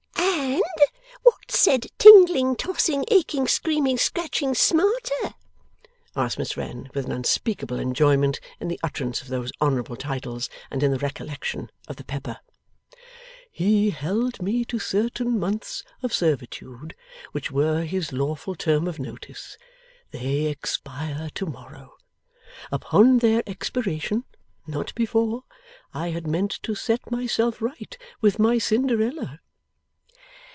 'And what said Tingling Tossing Aching Screaming Scratching Smarter?' asked Miss Wren with an unspeakable enjoyment in the utterance of those honourable titles and in the recollection of the pepper. 'He held me to certain months of servitude, which were his lawful term of notice. They expire to morrow. Upon their expiration not before I had meant to set myself right with my Cinderella.